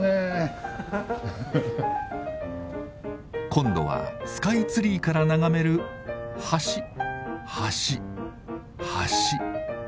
今度はスカイツリーから眺める橋橋橋。